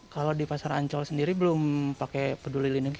kalau di pasar ancol sendiri belum pakai peduli lindungi